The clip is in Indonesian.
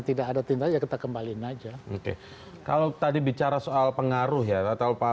tidak ada tindakan kita kembaliin aja oke kalau tadi bicara soal pengaruh ya atau pak